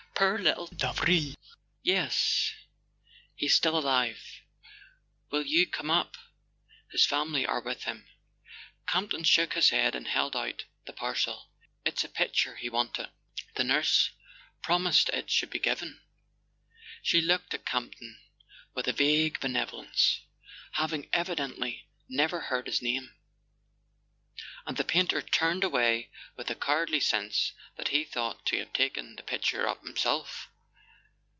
"Poor little Davril? Yes—he's still alive. Will you come up ? His family are with him." Campton shook his head and held out the parcel. "It's a picture he wanted " The nurse promised it should be given. She looked at Campton with a vague benevolence, having evi¬ dently never heard his name; and the painter turned away with a cowardly sense that he ought to have taken the picture up himself.